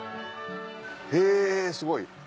えすごい。